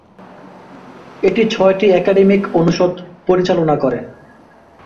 এটি ছয়টি একাডেমিক অনুষদ পরিচালনা করে।